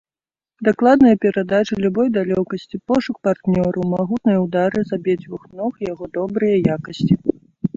Дакладныя перадачы любой далёкасці, пошук партнёраў, магутныя ўдары з абедзвюх ног яго добрыя якасці.